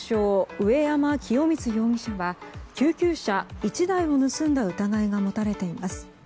上山清三容疑者は救急車１台を盗んだ疑いが持たれています。